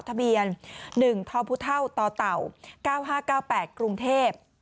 ทะเบียน๑ทพต่อเต่า๙๕๙๘กรุงเทพฯ